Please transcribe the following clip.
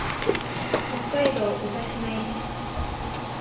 北海道歌志内市